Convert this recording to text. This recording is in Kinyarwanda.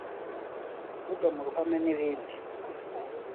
kuvuga mu ruhamen’ibindi